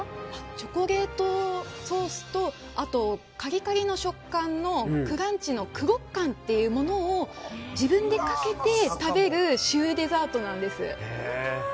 チョコレートソースとあと、カリカリの食感のクランチのクロッカンを自分でかけて食べるシューデザートなんです。